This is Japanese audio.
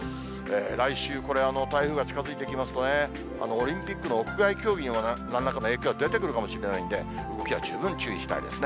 来週、これ、台風が近づいてきますとね、オリンピックの屋外競技にもなんらかの影響が出てくるかもしれないんで、動きには十分注意したいですね。